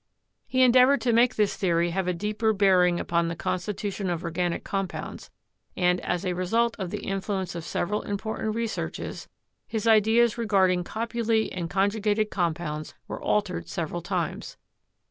He endeavored to make this theory have a deeper bear ing upon the constitution of organic compounds, and, as a result of the influence of several important researches, his ideas regarding copulae and conjugated compounds were altered several times.